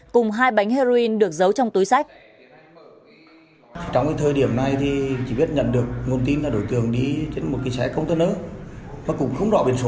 cùng hai bánh heroin được giấu trong túi sách